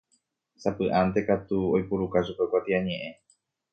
Sapy'ánte katu oipuruka chupe kuatiañe'ẽ.